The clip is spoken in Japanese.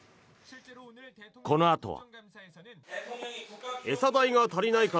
このあとは。